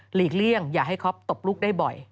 ลีกเลี่ยงอย่าให้คอปตบลูกได้บ่อย